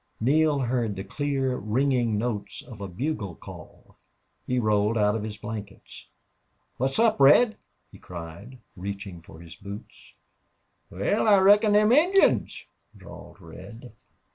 Neale heard the clear, ringing notes of a bugle call. He rolled out of his blankets. "What's up, Red?" he cried, reaching for his boots. "Wal, I reckon them Injuns," drawled Red.